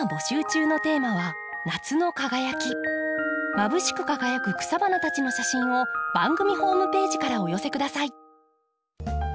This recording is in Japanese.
まぶしく輝く草花たちの写真を番組ホームページからお寄せ下さい。